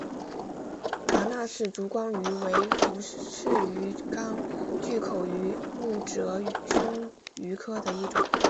达纳氏烛光鱼为辐鳍鱼纲巨口鱼目褶胸鱼科的其中一种。